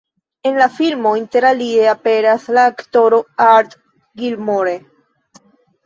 En la filmo interalie aperas la aktoro Art Gilmore.